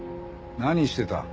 何してた？